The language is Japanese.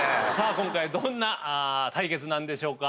今回どんな対決なんでしょうか？